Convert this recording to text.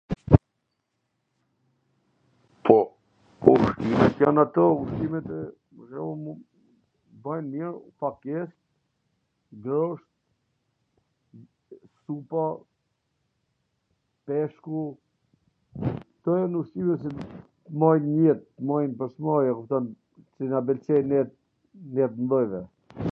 Po, kush jan ato ushqimet, pwr shwmbull, qw bwjn mir, t mbajn n jet, grosht, supa, peshku, ... kto jan ushqimet qw t mbajn nw jet, t mbajn pwr s mbari, e kupton, qw na pwlqejn ne, ne t mwdhenjve,